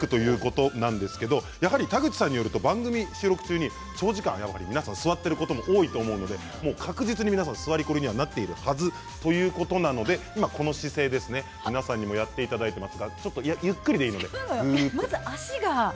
田口さんによると番組収録中に、長時間座っていることは皆さん多いと思うので確実に座りコリになっているはず、ということでこの姿勢ですね皆さんにもやっていただいています。